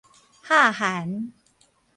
哈韓